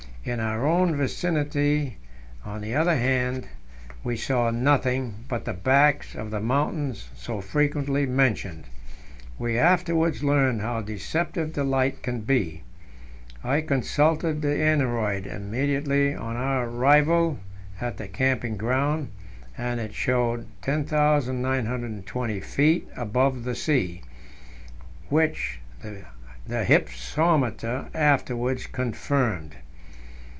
In our own vicinity, on the other band, we saw nothing but the backs of the mountains so frequently mentioned. We afterwards learned how deceptive the light can be. I consulted the aneroid immediately on our arrival at the camping ground, and it showed 10,920 feet above the sea, which the hypsometer afterwards confirmed.